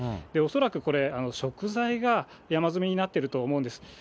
恐らくこれ、食材が山積みになっていると思うんです。